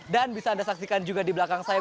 dan bisa anda saksikan juga di belakang saya